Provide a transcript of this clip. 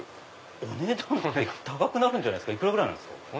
お値段高くなるんじゃないですか幾らぐらいなんですか？